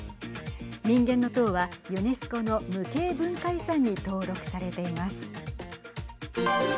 人間の塔はユネスコの無形文化遺産に登録されています。